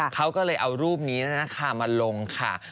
เขาก็เลยเอารูปนี้นะคะมาลงค่ะ